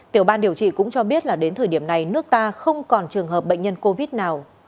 tiểu ban điều trị cũng cho biết là đến thời điểm này nước ta không còn trường hợp bệnh nhân covid nào